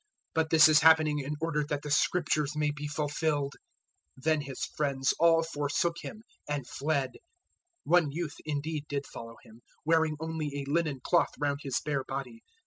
But this is happening in order that the Scriptures may be fulfilled.' 014:050 Then His friends all forsook Him and fled. 014:051 One youth indeed did follow Him, wearing only a linen cloth round his bare body.